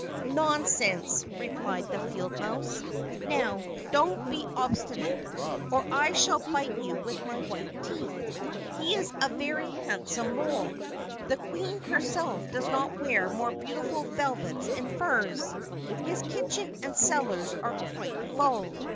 "Nonsense," replied the field mouse. "Now, don't be obstinate, or I shall bite you with my white teeth. He is a very handsome mole. The Queen herself does not wear more beautiful velvets and furs. His kitchen and cellars are quite full.